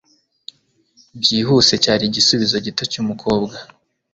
byihuse cyari igisubizo gito cyumukobwa